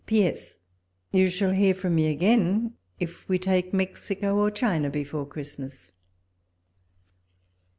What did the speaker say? P.S. — You shall hear from me again if we take Mexico or China before Christmas.